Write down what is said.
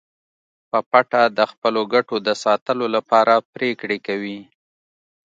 په پټه د خپلو ګټو د ساتلو لپاره پریکړې کوي